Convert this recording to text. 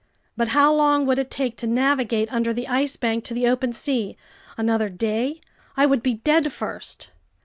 But how long would it take to navigate under the Ice Bank to the open sea? Another day? I would be dead first!